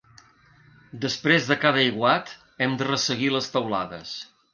Després de cada aiguat hem de resseguir les teulades.